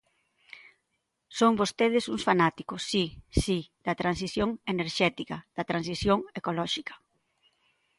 Son vostedes uns fanáticos, si, si, da transición enerxética, da transición ecolóxica.